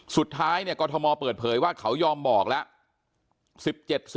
สุดท้ายกรทมเปิดเผยว่าเขายอมบอกแล้ว